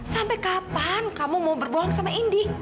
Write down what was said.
sampai kapan kamu mau berbohong sama indi